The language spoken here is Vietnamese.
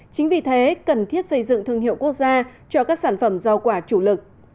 chính vì thế cần thiết xây dựng thương hiệu quốc gia cho các sản phẩm rau quả chủ lực